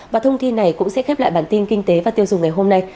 và thông tin này cũng sẽ khép lại bản tin kinh tế và tiêu dùng ngày hôm nay